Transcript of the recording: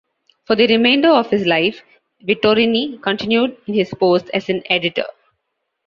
For the remainder of his life, Vittorini continued in his post as an editor.